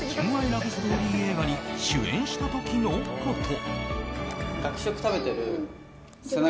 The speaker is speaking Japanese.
ラブストーリー映画に主演した時のこと。